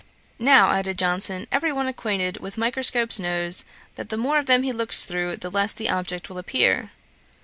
'Now, (added Johnson,) every one acquainted with microscopes knows, that the more of them he looks through, the less the object will appear.'